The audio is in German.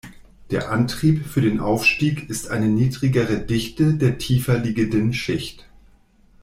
Der Antrieb für den Aufstieg ist eine niedrigere Dichte der tiefer liegenden Schicht.